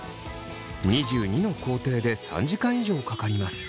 ２２の工程で３時間以上かかります。